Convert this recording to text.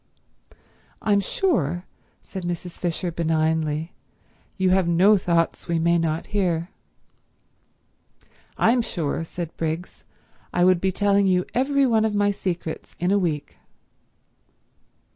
"I'm sure," said Mrs. Fisher benignly, "you have no thoughts we may not hear." "I'm sure," said Briggs, "I would be telling you every one of my secrets in a week."